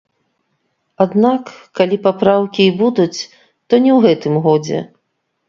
Аднак, калі папраўкі і будуць, то не ў гэтым годзе.